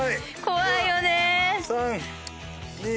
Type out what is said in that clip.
怖いよね。